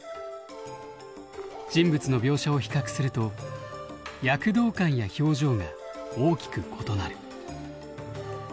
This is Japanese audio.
人物の描写を比較すると躍動感や表情が大きく異なる。